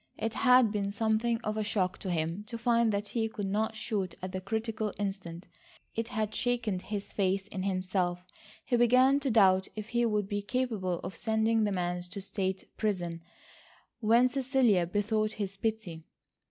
It had been something of a shock to him to find that he could not shoot at the critical instant. It had shaken his faith in himself. He began to doubt if he would be capable of sending the man to state's prison when Cecilia besought his pity.